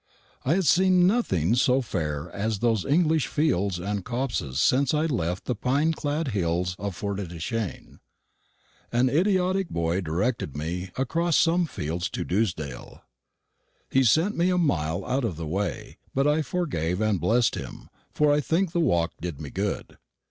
I had seen nothing so fair as those English fields and copses since I left the pine clad hills of Forêtdechêne. An idiotic boy directed me across some fields to Dewsdale. He sent me a mile out of the way; but I forgave and blest him, for I think the walk did me good.